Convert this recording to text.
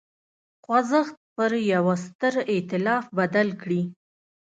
خوځښت پر یوه ستر اېتلاف بدل کړي.